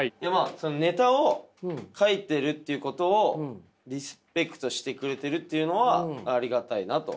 ネタを書いてるということをリスペクトしてくれてるっていうのはありがたいなと。